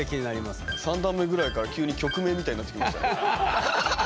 ３段目ぐらいから急に曲名みたいになってきました。